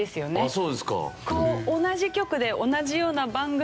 そうですか。